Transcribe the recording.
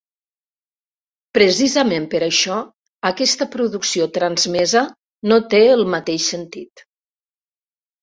Precisament per això aquesta producció transmesa no té el mateix sentit.